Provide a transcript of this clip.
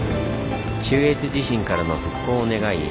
中越地震からの復興を願い